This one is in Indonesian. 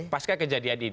pasca kejadian ini